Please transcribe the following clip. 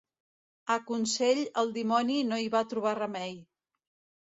A Consell el dimoni no hi va trobar remei.